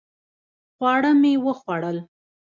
خواړه مې وخوړل